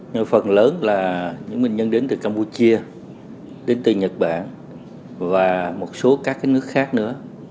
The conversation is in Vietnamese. nhưng phần lớn là những bệnh nhân đến từ campuchia đến từ nhật bản và một số các nước khác nữa